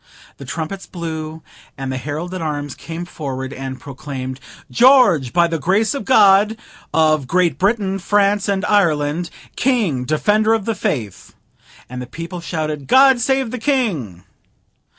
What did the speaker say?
The trumpets blew, and the herald at arms came forward and proclaimed GEORGE, by the Grace of God, of Great Britain, France, and Ireland, King, Defender of the Faith. And the people shouted God save the King!